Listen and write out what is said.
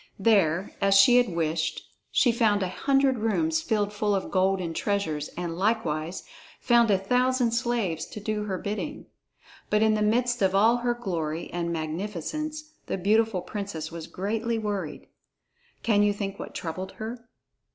There, as she had wished, she found a hundred rooms filled full of gold and treasures, and likewise found a thousand slaves to do her bidding. But in the midst of all her glory and magnificence, the beautiful princess was greatly worried. Can you think what troubled her?